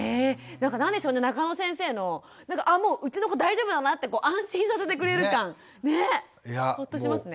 なんか何でしょうね中野先生のあもううちの子大丈夫だなって安心させてくれる感。ね？ね？